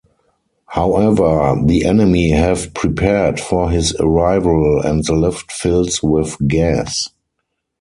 However, the enemy have prepared for his arrival, and the lift fills with gas.